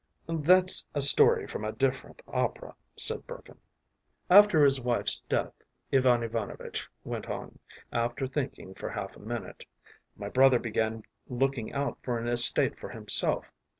” “That’s a story from a different opera,” said Burkin. “After his wife’s death,” Ivan Ivanovitch went on, after thinking for half a minute, “my brother began looking out for an estate for himself.